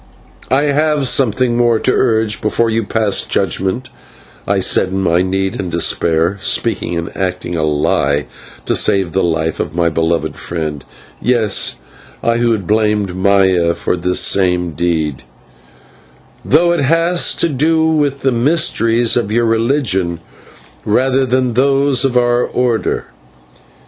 "I have something more to urge before you pass judgment," I said in my need and despair (speaking and acting a lie to save the life of my beloved friend yes, I who had blamed Maya for this same deed), "though it has to do with the mysteries of your religion rather than with those of our Order.